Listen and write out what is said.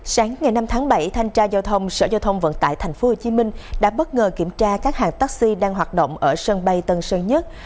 sáng ngày năm tháng bảy thanh tra giao thông sở giao thông vận tải tp hcm đã bất ngờ kiểm tra các hãng taxi đang hoạt động ở sân bay tân sơn nhất